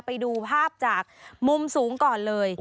ไปดูภาพจากมุมสูงก่อนเลย